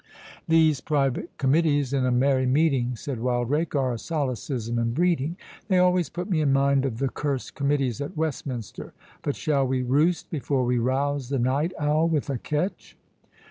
"These private committees in a merry meeting," said Wildrake, "are a solecism in breeding. They always put me in mind of the cursed committees at Westminster.—But shall we roost before we rouse the night owl with a catch?"